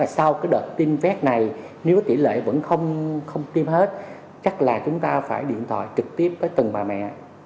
sau cái đợt tiêm vét này nếu tỷ lệ vẫn không tiêm hết chắc là chúng ta phải điện thoại trực tiếp tới từng bà mẹ